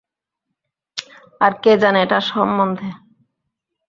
আর কে জানে এটা সম্বন্ধে?